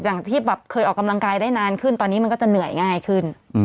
อย่างที่แบบเคยออกกำลังกายได้นานขึ้นตอนนี้มันก็จะเหนื่อยง่ายขึ้น